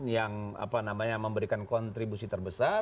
yang memberikan kontribusi terbesar